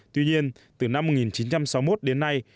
tuy nhiên từ năm một nghìn chín trăm sáu mươi một đến nay